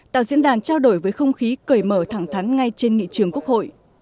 tạo diễn đàn trao đổi với không khí cởi mở thẳng thắn ngay trên nghị trường quốc hội